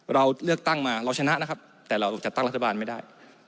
เราเลือกตั้งมาเราชนะนะครับแต่เราจัดตั้งรัฐบาลไม่ได้